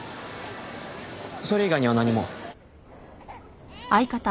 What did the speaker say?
それ以外には何も。